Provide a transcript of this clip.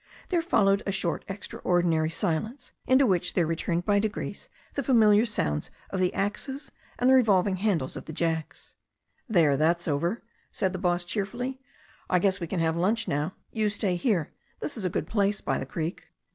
There followed a short extraordinary silence, into which there returned by degrees the familiar sounds of the axes and the revolving handles of the jacksl "There, that's over," said the boss cheerfully. "I guess we can have lunch now. You stay here. This is a good place by the creek."